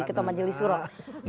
ketua majelis suruh